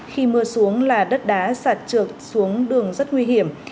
khi mưa xuống là đất đá sạt trượt xuống đường rất nguy hiểm